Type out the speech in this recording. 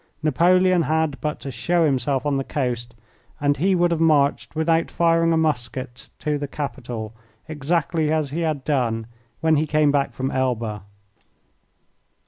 Napoleon had but to show himself on the coast, and he would have marched without firing a musket to the capital, exactly as he had done when he came back from Elba.